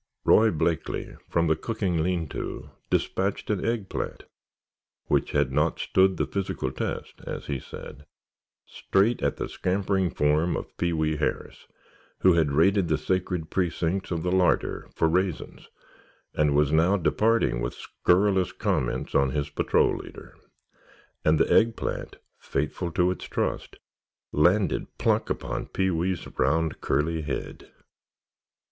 Roy Blakeley, from the cooking lean to, despatched an eggplant (which had not stood the physical test, as he said) straight at the scampering form of Pee wee Harris, who had raided the sacred precincts of the larder for raisins and was now departing with scurrilous comments on his patrol leader. And the eggplant, faithful to its trust, landed plunk upon Pee wee's round, curly head.